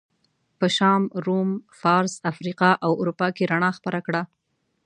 په شام، روم، فارس، افریقا او اروپا کې رڼا خپره کړه.